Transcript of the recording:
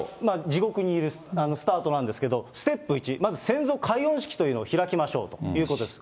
地獄にいるスタートなんですけど、ステップ１、まず先祖解怨式というのを開きましょうということです。